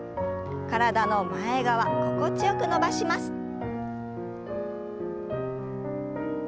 体の前側心地よく伸ばします。